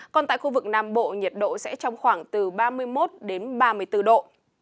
còn tại khu vực nam bộ nhiệt độ sẽ trong khoảng từ ba mươi một đến ba mươi bốn độ